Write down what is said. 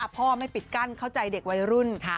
พ่อไม่ปิดกั้นเข้าใจเด็กวัยรุ่น